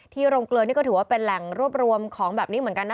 โรงเกลือนี่ก็ถือว่าเป็นแหล่งรวบรวมของแบบนี้เหมือนกันนะ